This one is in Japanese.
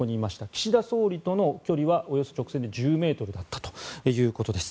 岸田総理との距離はおよそ直線で１０ｍだったということです。